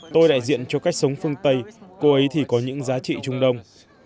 tôi đại diện cho cách sống phương tây cô ấy thì có những giá trị trung đông